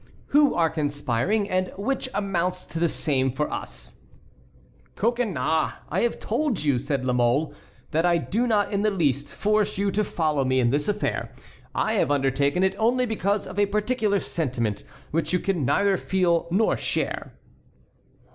"Who are conspiring and which amounts to the same for us." "Coconnas, I have told you," said La Mole, "that I do not in the least force you to follow me in this affair. I have undertaken it only because of a particular sentiment, which you can neither feel nor share."